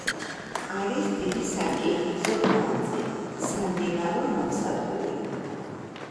არის დიდი სარკინიგზო კვანძი, სამდინარო ნავსადგური.